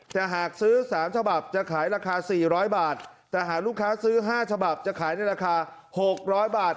แต่หากซื้อ๓ฉบับจะขายราคา๔๐๐บาทแต่หากลูกค้าซื้อ๕ฉบับจะขายในราคา๖๐๐บาท